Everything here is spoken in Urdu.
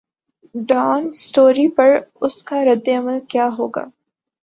ڈان سٹوری پر اس کا ردعمل کیا ہو گا؟